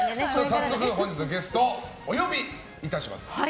早速、本日のゲストをお呼びいたします。